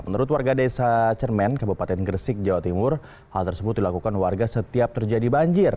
menurut warga desa cermen kabupaten gresik jawa timur hal tersebut dilakukan warga setiap terjadi banjir